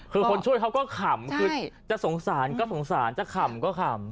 คือคนช่วยเขาก็ขำคือจะสงสารก็สงสารจะขำก็ขำ